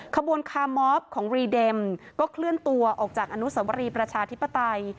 ขบวนคามอฟของรีเด็มก็เคลื่อนตัวออกจากอนุสวรีประชาธิปไตย